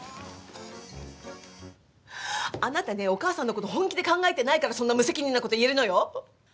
あなたねお母さんのこと本気で考えてないからそんな無責任なこと言えるのよ。